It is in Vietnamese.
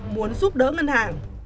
muốn giúp đỡ ngân hàng